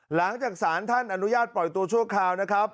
หลังจากสารท่านอนุญาตปล่อยตัวชั่วคราวนะครับ